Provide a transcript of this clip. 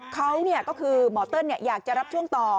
เขาก็คือหมอเติ้ลอยากจะรับช่วงต่อ